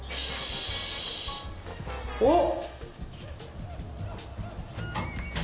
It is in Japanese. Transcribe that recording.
おっ！